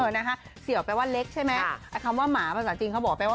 นะคะเสี่ยวแปลว่าเล็กใช่ไหมไอ้คำว่าหมาภาษาจีนเขาบอกไปว่า